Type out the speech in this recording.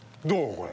これ。